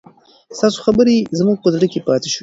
ستا خبرې زما په زړه کې پاتې شوې.